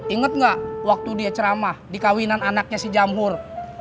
ingat nggak waktu dia ceramah di kawinan anaknya si jamur